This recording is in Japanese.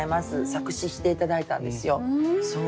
作詞して頂いたんですよ。